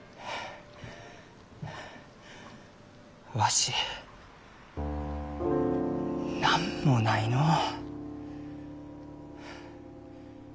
わし何もないのう。